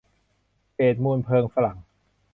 เจตมูลเพลิงฝรั่ง